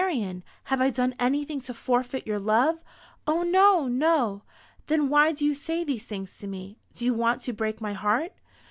"Marian, have I done anything to forfeit your love?" "O no, no." "Then why do you say these things to me? Do you want to break my heart?"